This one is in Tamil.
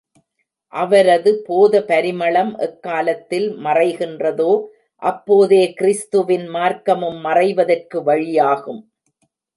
அவரது போத பரிமளம் எக்காலத்தில் மறைகின்றதோ அப்போதே கிறிஸ்துவின் மார்க்கமும் மறைவதற்கு வழியாகும்.